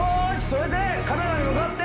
それで。